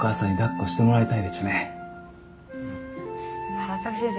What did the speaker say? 佐々木先生